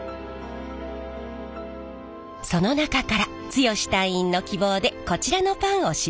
その中から剛隊員の希望でこちらのパンを試食させてもらいます。